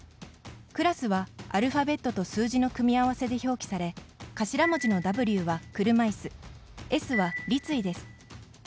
クラスはアルファベットと数字の組み合わせで表記され頭文字のＷは、車いすＳは、立位です。